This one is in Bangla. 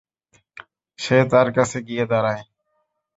সে তার কাছে গিয়ে দাঁড়ায়।